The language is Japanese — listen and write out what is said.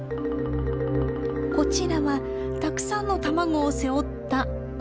こちらはたくさんの卵を背負ったコオイムシ。